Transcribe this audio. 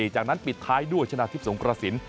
จากนั้นปิดท้ายด้วยชนะทิพย์สงกระสิน